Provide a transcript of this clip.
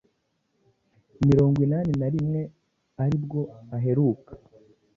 mirongwinani narimwe.aribwo aheruka